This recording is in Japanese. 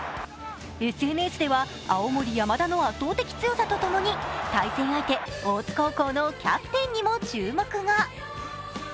ＳＮＳでは、青森山田の圧倒的強さとともに対戦相手、大津高校のキャプテンにも注目が。